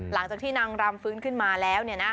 หลังจากที่นางรำฟื้นขึ้นมาแล้ว